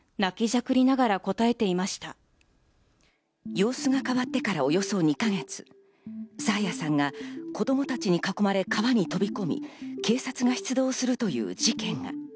様子が変わってからおよそ２か月、爽彩さんが子供たちに囲まれ川に飛び込み、警察が出動するという事件が。